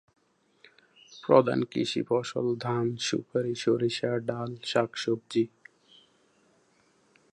প্রধান কৃষি ফসল ধান, সুপারি, সরিষা, ডাল, শাকসবজি।